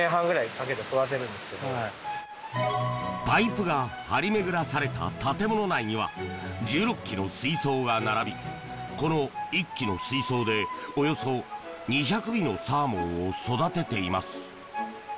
パイプが張り巡らされた建物内には、１６基の水槽が並びこの１基の水槽でおよそ２００尾のサーモンを育てています。